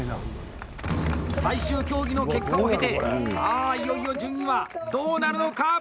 最終競技の結果を経てさあ、いよいよ順位はどうなるのか？